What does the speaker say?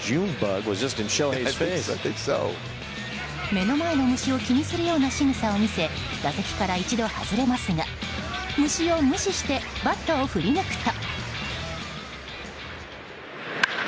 目の前の虫を気にするようなしぐさを見せ打席から一度外れますが虫を無視してバットを振り抜くと。